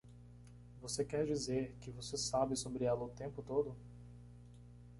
Você quer dizer que você sabe sobre ela o tempo todo?